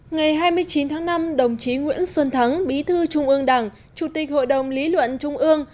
ngày hai mươi chín tháng năm đồng chí nguyễn xuân thắng bí thư trung ương đảng chủ tịch hội đồng lý luận trung ương